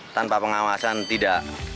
tanpa pengawasan tidak